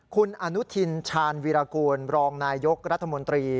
คุณอนุทินชาญวิรากูลรองนายยกรัฐมนตรี